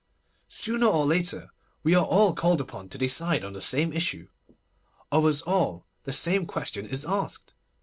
Sooner or later we are all called upon to decide on the same issue—of us all, the same question is asked.